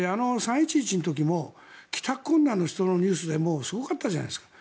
３・１１の時も帰宅困難の人のニュースですごかったじゃないですか。